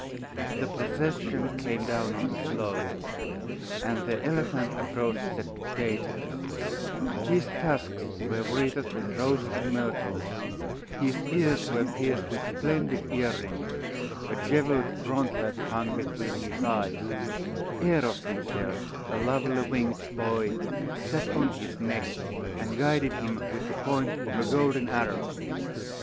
The procession came on down the slope, and the elephant approached the spectators; his tusks were wreathed with roses and myrtles; his ears were pierced with splendid earrings, a jewelled frontlet hung between his eyes; Eros himself, a lovely winged boy, sat on his neck, and guided him with the point of a golden arrow.